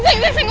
seng seng seng